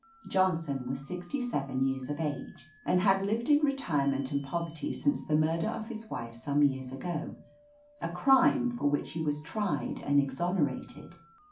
Johnson was sixty seven years of age, and had lived in retirement and poverty since the murder of his wife some years ago, a crime for which he was tried and exonerated.